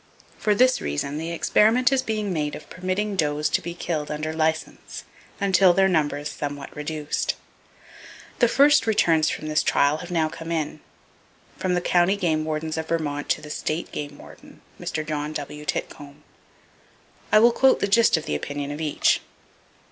For this reason, the experiment is being made of permitting does to be killed under license, until their number is somewhat reduced. The first returns from this trial have now come in, from the county game wardens of Vermont to the state game warden. Mr. John W. Titcomb. I will quote the gist of the opinion of each.